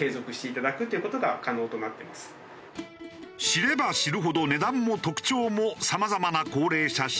知れば知るほど値段も特徴もさまざまな高齢者施設。